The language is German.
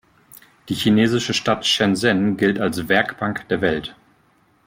Die chinesische Stadt Shenzhen gilt als „Werkbank der Welt“.